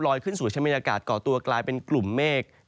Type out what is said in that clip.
ลอยขึ้นสู่ชะเมียอากาศก่อตัวกลายเป็นกลุ่มเมฆ